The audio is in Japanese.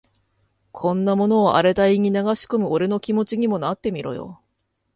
こんなものを荒れた胃に流し込む俺の気持ちにもなってみろよ。